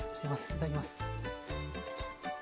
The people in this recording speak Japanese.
いただきます。